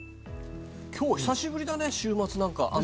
今日久しぶりだね週末、雨。